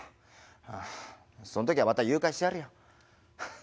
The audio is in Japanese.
ああそん時はまた誘拐してやるよ。